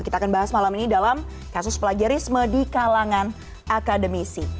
kita akan bahas malam ini dalam kasus plagiarisme di kalangan akademisi